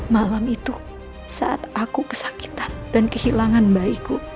malam itu saat aku kesakitan dan kehilangan bayiku